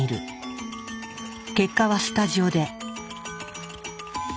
結果はスタジオで。